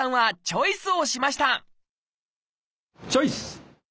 チョイス！